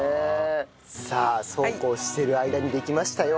さあそうこうしてる間にできましたよ。